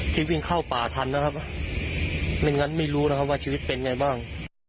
ที่วิ่งเข้าป่าทันนะครับไม่งั้นไม่รู้นะครับว่าชีวิตเป็นไงบ้าง